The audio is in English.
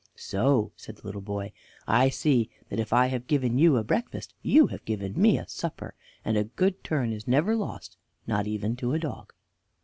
"So," said the little boy, "I see that if I have given you a breakfast you have given me a supper, and a good turn is never lost, not even to a dog."